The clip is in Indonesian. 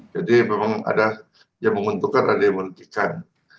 jadi memang ada yang menguntungkan dan ada yang menguntungkan